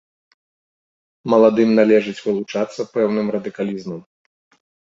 Маладым належыць вылучацца пэўным радыкалізмам.